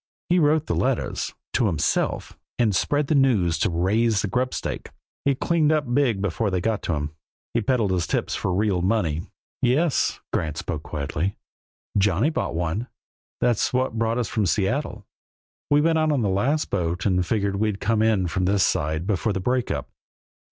He wrote the letters to himself and spread the news just to raise a grubstake. He cleaned up big before they got onto him. He peddled his tips for real money." "Yes!" Grant spoke quietly. "Johnny bought one. That's what brought us from Seattle. We went out on the last boat and figured we'd come in from this side before the break up.